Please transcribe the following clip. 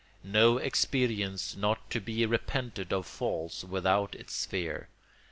No experience not to be repented of falls without its sphere.